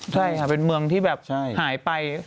ใช่ค่ะเป็นเมืองที่แบบหายไป